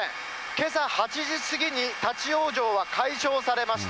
けさ８時過ぎに、立往生は解消されました。